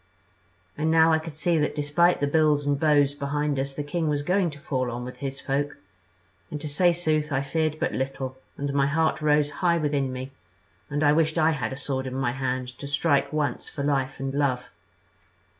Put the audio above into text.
"And now I could see that despite the bills and bows behind us the king was going to fall on with his folk; and to say sooth I feared but little and my heart rose high within me, and I wished I had a sword in my hand to strike once for life and love.